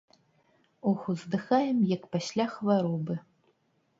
Ох, уздыхаем, як пасля хваробы.